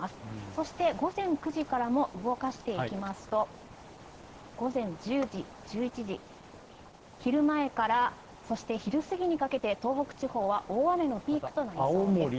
そして午前９時からも動かしていきますと、午前１０時、１１時、昼前から、そして昼過ぎにかけて、東北地方は大雨のピークとなりそうです。